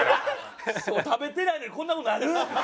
食べてないのにこんな事なる？